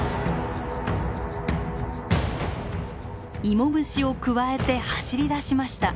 イモムシをくわえて走り出しました。